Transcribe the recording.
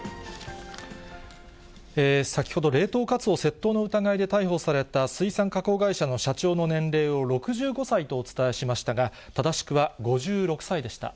先ほど冷凍カツオ窃盗の疑いで逮捕された水産加工会社の社長の年齢を６５歳とお伝えしましたが、正しくは５６歳でした。